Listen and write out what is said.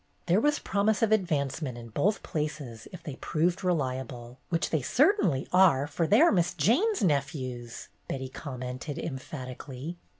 There was promise of advancement in both places if they proved reliable, "which they certainly are, for they are Miss Jane's nephews," Betty commented emphatically.